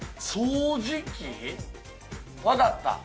わかった！